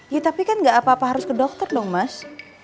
ya tapi kan gak apa apa harus ke dokter dong mas